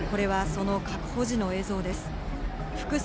これはその確保時の映像です。